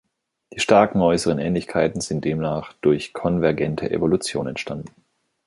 Die starken äußeren Ähnlichkeiten sind demnach durch konvergente Evolution entstanden.